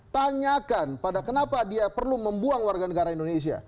tanyakan pada kenapa dia perlu membuang warga negara indonesia